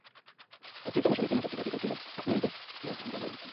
Afrika Mashariki na Kati katika kila nyanja ya habari